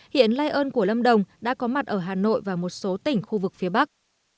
hiện lây ơn của lâm đồng đã có mặt ở hà nội và một số tỉnh khu vực phía bắc